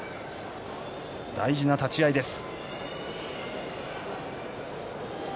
大事な立ち合いです。